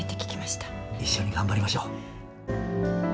一緒に頑張りましょう。